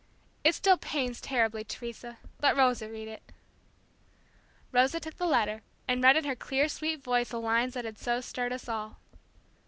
"It still pains terribly, Teresa. Let Rosa read it." Rosa took the letter, and read in her clear, sweet voice the lines that had so stirred us all.